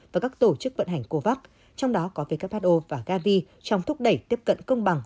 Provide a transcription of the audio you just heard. và các tổ chức vận hành covax trong đó có who và gavi trong thúc đẩy tiếp cận công bằng